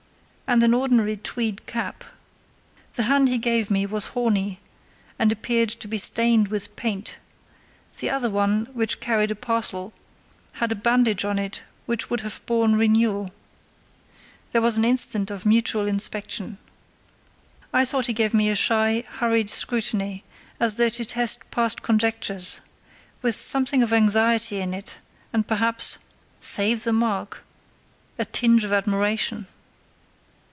and an ordinary tweed cap. The hand he gave me was horny, and appeared to be stained with paint; the other one, which carried a parcel, had a bandage on it which would have borne renewal. There was an instant of mutual inspection. I thought he gave me a shy, hurried scrutiny as though to test past conjectures, with something of anxiety in it, and perhaps (save the mark!) a tinge of admiration.